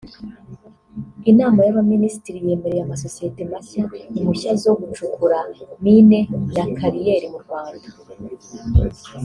Inama y’Abaminisitiri yemereye amasosiyete mashya impushya zo gucukura mine na kariyeri mu Rwanda